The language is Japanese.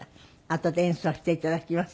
あとで演奏していただきます。